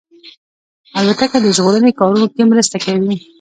الوتکه د ژغورنې کارونو کې مرسته کوي.